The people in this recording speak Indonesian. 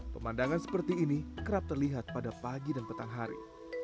pemandangan seperti ini kerap terlihat pada pagi dan petang hari